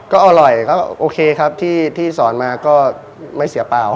ก็อร่อยก็โอเคครับที่สอนมาก็ไม่เสียเปล่า